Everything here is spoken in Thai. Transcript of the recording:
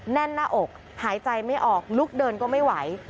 แน่นหน้าอกหายใจไม่ออกลุกเดินก็ไม่ไหว